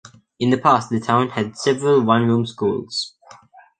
In the past, the town had seven one-room schools.